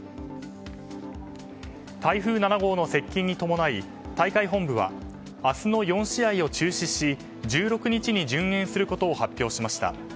台風７号の接近に伴い大会本部は明日の４試合を中止し１６日に順延することを発表しました。